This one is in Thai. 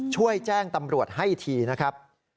ช่วยแจ้งตำรวจให้ทีนะครับ